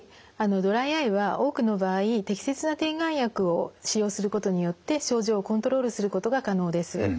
ドライアイは多くの場合適切な点眼薬を使用することによって症状をコントロールすることが可能です。